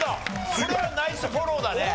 これはナイスフォローだね。